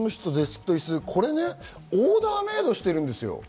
オーダーメードしているんですよ。